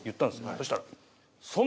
そしたら。